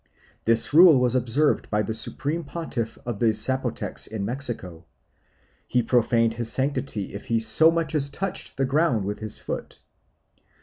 This rule was observed by the supreme pontiff of the Zapotecs in Mexico; he profaned his sanctity if he so much as touched the ground with his foot.